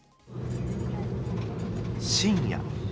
深夜。